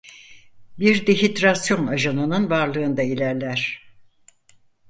Bir dehidrasyon ajanının varlığında ilerler.